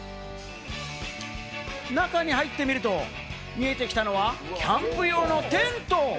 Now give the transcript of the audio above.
中に入ってみると、見えてきたのは、キャンプ用のテント。